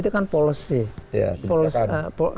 itu kan polos sih